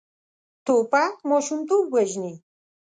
توپک ماشومتوب وژني.